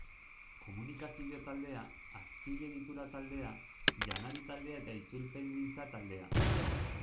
Komunikazio taldea, Azpiegitura taldea, Janari taldea eta Itzulpengintza taldea.